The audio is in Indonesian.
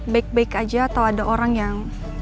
baik baik aja atau ada orang yang